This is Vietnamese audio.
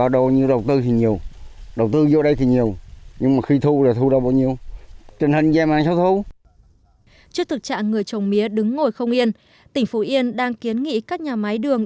trước thực trạng người trồng mía đứng ngồi không yên tỉnh phú yên đang kiến nghị các nhà máy đường